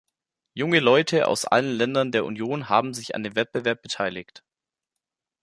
Junge Leute aus allen Ländern der Union haben sich an dem Wettbewerb beteiligt.